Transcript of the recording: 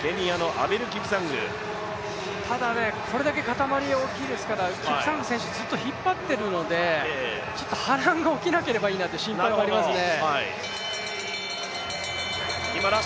これだけ固まりが大きいので、キプサング選手、ずっと引っ張っているので、波乱が起きなければいいなと心配になりますね。